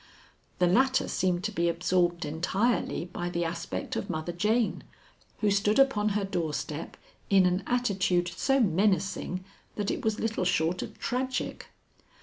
The latter seemed to be absorbed entirely by the aspect of Mother Jane, who stood upon her doorstep in an attitude so menacing that it was little short of tragic.